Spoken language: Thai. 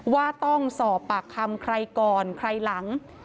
ว่าต้องสอบปากคำใครก่อนใครหลัง